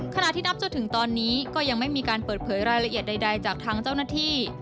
ขณะที่นับจนถึงตอนนี้ก็ยังไม่มีการเปิดเผยรายละเอียดใดจากทางเจ้าหน้าที่